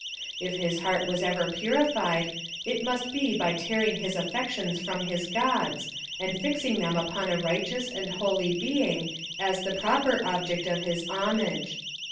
L[ his heart was ever purified, it must be by tearing his affections from his gods, and fixing them upon a righteous and holy being as the proper object of his homage.